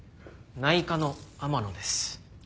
内科の天乃です。